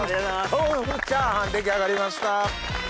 豆腐チャーハン出来上がりました。